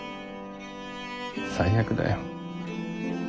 最悪だよ。